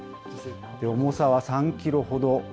重さは３キロほど。